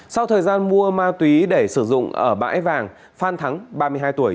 sau thời gian mua ma túy để sử dụng ở bãi vàng phan thắng ba mươi hai tuổi